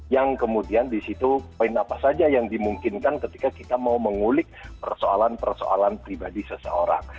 yang kemudian disitu poin apa saja yang dimungkinkan ketika kita mau mengulik persoalan persoalan pribadi seseorang